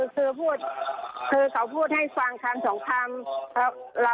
คือเขาพูดให้ฟังคำสองคำ